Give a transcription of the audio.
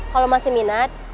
kalau masih minat